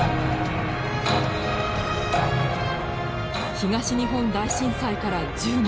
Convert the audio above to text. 東日本大震災から１０年。